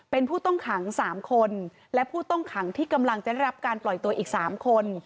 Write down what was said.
เป็นผู้ต้องขัง๓คนและผู้ต้องขังที่กำลังจะได้รับการปล่อยตัวอีก๓คน